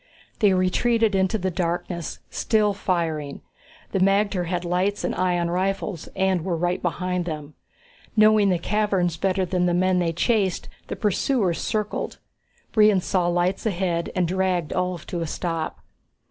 They retreated into the darkness, still firing. The magter had lights and ion rifles, and were right behind them. Knowing the caverns better than the men they chased, the pursuers circled. Brion saw lights ahead and dragged Ulv to a stop.